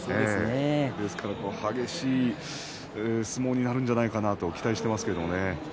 ですから激しい相撲になるんじゃないかなと期待していますけれどもね。